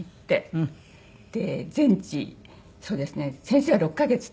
で全治そうですね先生は６カ月って。